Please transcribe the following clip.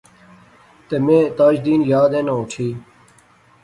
تہ میں تاج دین یاد اینا اٹھی